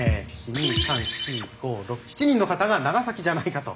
２３４５６７人の方が長崎じゃないかと。